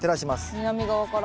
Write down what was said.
南側から。